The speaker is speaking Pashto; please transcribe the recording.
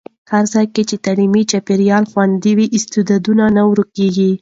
هر ځای چې تعلیمي چاپېریال خوندي وي، استعدادونه نه ورکېږي.